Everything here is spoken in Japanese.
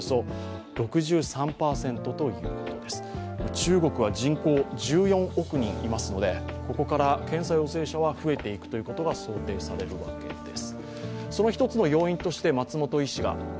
中国は人口１４億人いますので、ここから検査陽性者は増えていくということが想定されるわけです。